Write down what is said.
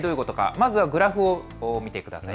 まずは、グラフを見てください。